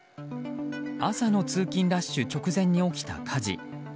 朝の通勤ラッシュ直前に起きた火事。